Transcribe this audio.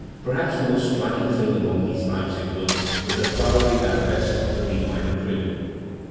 Perhaps the most striking thing among these Leipzig works is the flowery arabesque of the B minor prelude.